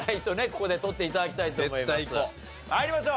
ここで取って頂きたいと思います。